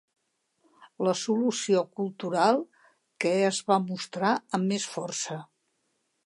La solució cultural que es va mostrar amb més força.